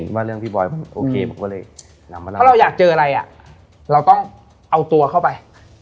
ถ้าเราวาอยากเจออะไรครับเราก็เอาตัวเข้าไป